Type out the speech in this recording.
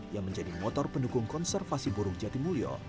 yang menjadi motor pendukung konservasi burung jatimulyo